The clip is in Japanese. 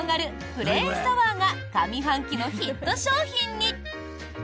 プレーンサワーが上半期のヒット商品に！